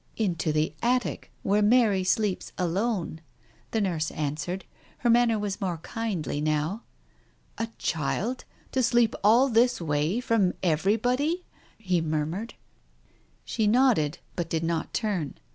"Into the attic, where Mary sleeps alone," the nurse answered. Her manner was more kindly now. " A child, to sleep all this way from everybody !..." he murmured. She nodded but did not turn.